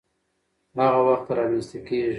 هغه وخت رامنځته کيږي،